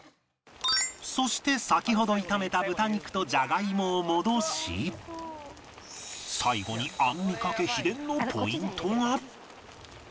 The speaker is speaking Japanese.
そして先ほど炒めた豚肉とジャガイモを戻し最後にアンミカ家秘伝のポイントが